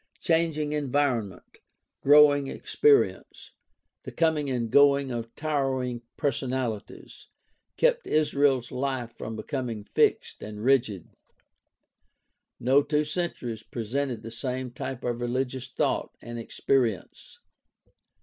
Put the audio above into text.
Changing environment, growing experience, the coming and going of towering personalities, kept Israel's life from becoming fixed and rigid. No two centuries pre sented the same type of religious thought and experience.